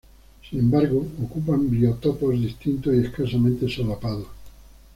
Sin embargo, ocupan biotopos distintos y escasamente solapados.